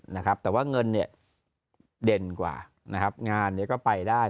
นะครับแต่ว่าเงินเนี่ยเด่นกว่านะครับงานเนี้ยก็ไปได้